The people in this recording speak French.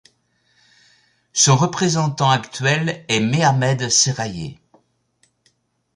Son représentant actuel est Mehammed Serhaye.